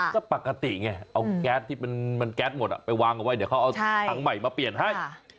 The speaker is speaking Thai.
ก็ปกติไงเอาแก๊สที่มันแก๊สหมดไปวางเอาไว้เดี๋ยวเขาเอาถังใหม่มาเปลี่ยนให้